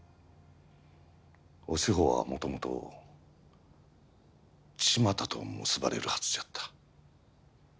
お志保はもともと千万太と結ばれるはずじゃった。